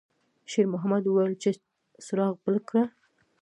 شېرمحمد وویل چې څراغ بل کړه.